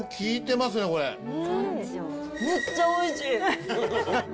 めっちゃおいしい。